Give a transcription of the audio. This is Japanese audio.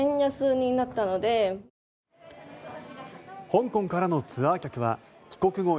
香港からのツアー客は帰国後